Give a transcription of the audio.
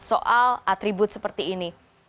soal atribut seperti ini